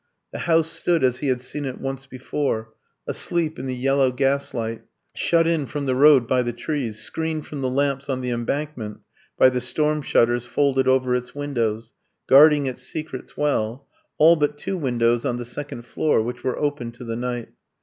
The house stood as he had seen it once before, asleep in the yellow gaslight, shut in from the road by the trees, screened from the lamps on the Embankment by the storm shutters folded over its windows, guarding its secrets well, all but two windows on the second floor, which were open to the night.